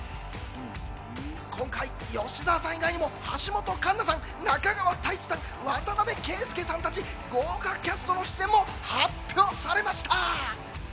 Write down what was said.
今回、吉沢さん以外にも橋本環奈さん、中川大志さん、渡邊圭祐さんたち豪華キャストの出演も発表されました。